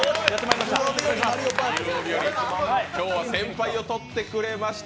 今日は先輩を取ってくれました。